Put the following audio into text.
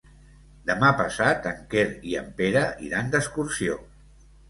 Demà passat en Quer i en Pere iran d'excursió.